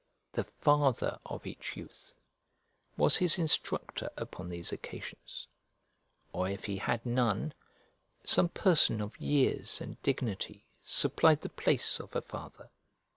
The father of each youth was his instructor upon these occasions, or if he had none, some person of years and dignity supplied the place of a father.